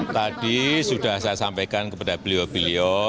tadi sudah saya sampaikan kepada beliau beliau